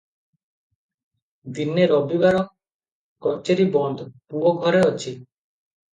ଦିନେ ରବିବାର, କଚେରି ବନ୍ଦ, ପୁଅ ଘରେ ଅଛି ।